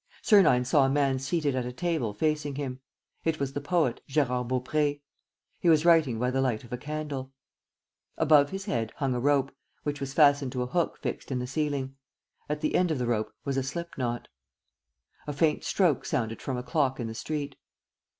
Sernine saw a man seated at a table facing him. It was the poet, Gérard Baupré. He was writing by the light of a candle. Above his head hung a rope, which was fastened to a hook fixed in the ceiling. At the end of the rope was a slip knot. A faint stroke sounded from a clock in the street.